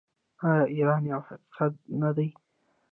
آیا ایران یو حقیقت نه دی؟